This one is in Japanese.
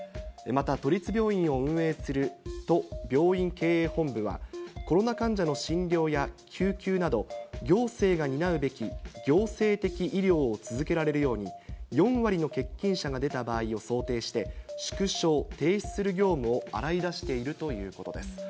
また都立病院を運営する都病院経営本部は、コロナ患者の診療や救急など、行政が担うべき行政的医療を続けられるように、４割の欠勤者が出た場合を想定して、縮小・停止する業務を洗い出しているということです。